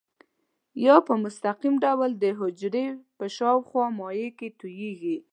یا په مستقیم ډول د حجرې په شاوخوا مایع کې تویېږي.